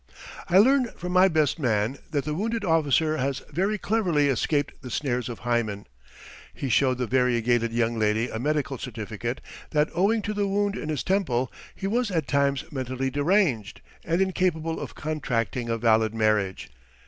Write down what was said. I learn from my best man that the wounded officer has very cleverly escaped the snares of Hymen. He showed the variegated young lady a medical certificate that owing to the wound in his temple he was at times mentally deranged and incapable of contracting a valid marriage.